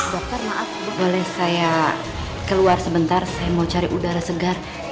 dokter maaf boleh saya keluar sebentar saya mau cari udara segar